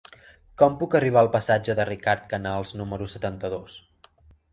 Com puc arribar al passatge de Ricard Canals número setanta-dos?